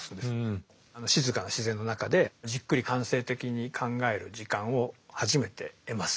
静かな自然の中でじっくり反省的に考える時間を初めて得ます。